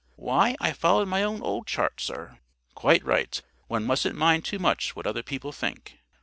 "Why, I followed my own old chart, sir." "Quite right. One mustn't mind too much what other people think."